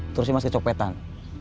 terus emas kecopetan